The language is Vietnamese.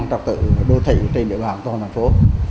trật tự đô thị trên địa bàn toàn thành phố